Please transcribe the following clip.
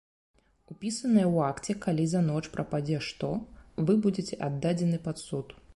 Упісанае ў акце калі за ноч прападзе што, вы будзеце аддадзены пад суд.